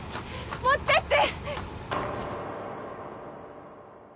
持ってって！